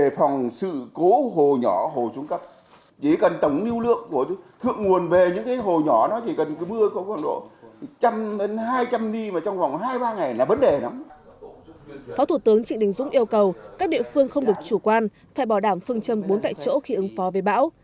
phó thủ tướng trịnh đình dũng yêu cầu các địa phương không được chủ quan phải bảo đảm phương châm bốn tại chỗ khi ứng phó với bão